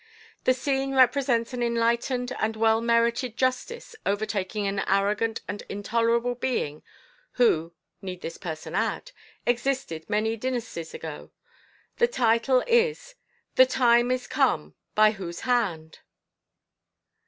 The scene represents an enlightened and well merited justice overtaking an arrogant and intolerable being who need this person add? existed many dynasties ago, and the title is: "THE TIME IS COME! BY WHOSE HAND?"